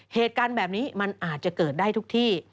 เหตุการณ์แบบนี้มันอาจจะเกิดได้ทุกที่